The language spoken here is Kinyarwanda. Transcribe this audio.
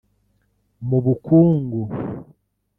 Mu bukungu